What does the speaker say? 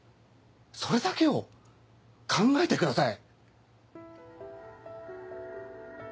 それだけを考えてください。